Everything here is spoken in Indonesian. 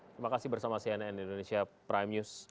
terima kasih bersama cnn indonesia prime news